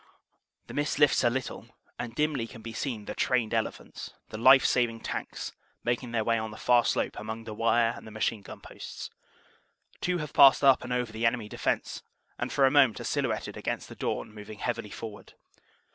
The mist lifts a little and dimly can be seen the "trained elephants," the life saving tanks, making their way on the far slope among the wire and the machine gun posts. Two have passed up and over the enemy defense and for a moment are silhouetted against the dawn moving heavily forward.